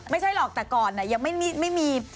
ไม่ใช่หรอกแต่ก่อนยังไม่มี